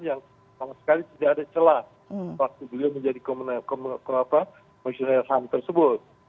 yang sama sekali tidak ada celah waktu beliau menjadi komisioner ham tersebut